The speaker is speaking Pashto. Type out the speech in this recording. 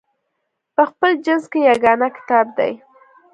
په خپل جنس کې یګانه کتاب دی.